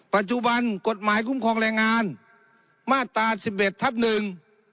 ปัจจุบันกฎหมายคุ้มครองแรงงานมาตราสิบเอ็ดทับหนึ่ง